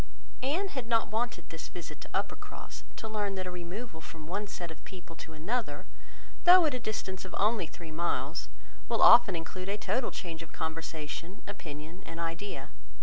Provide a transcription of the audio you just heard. Anne had not wanted this visit to Uppercross, to learn that a removal from one set of people to another, though at a distance of only three miles, will often include a total change of conversation, opinion, and idea.